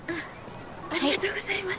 ありがとうございます。